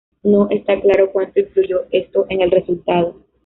No está claro cuanto influyó esto en el resultado.